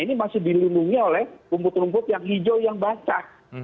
ini masih dilindungi oleh rumput rumput yang hijau yang basah